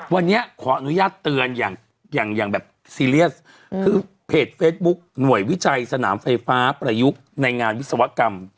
วันนี้ขออนุญาตเตือนอย่างอย่างแบบซีเรียสคือเพจเฟซบุ๊คหน่วยวิจัยสนามไฟฟ้าประยุกต์ในงานวิศวกรรม